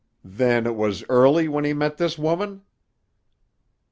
"Then it was early when he met this woman?"